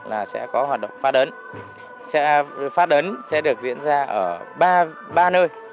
là sẽ có hoạt động phát ấn phát ấn sẽ được diễn ra ở ba nơi